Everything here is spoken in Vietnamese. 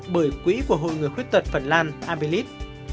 bởi quỹ của hội người khuyết tật phần lan abellis